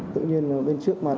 tự nhiên là bên trước mặt